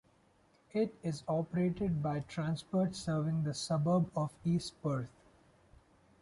It is operated by Transperth serving the suburb of East Perth.